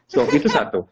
so itu satu